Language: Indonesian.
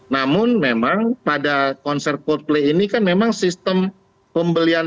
namun memang pada konser coldplay ini kan memang sistem pembelian